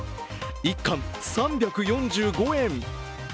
１貫３４５円。